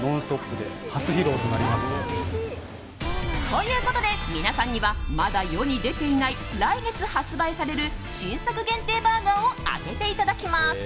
ということで皆さんにはまだ世に出ていない来月発売される新作限定バーガーを当てていただきます。